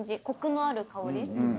コクのある香り。